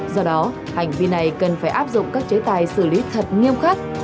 do đó hành vi này cần phải áp dụng các chế tài xử lý thật nghiêm khắc